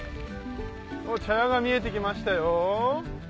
茶屋が見えてきましたよ。